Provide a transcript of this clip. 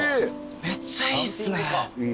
めっちゃいいっすね。